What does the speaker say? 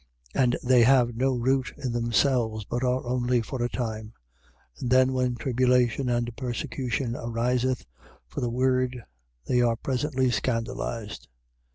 4:17. And they have no root in themselves, but are only for a time: and then when tribulation and persecution ariseth for the word they are presently scandalized.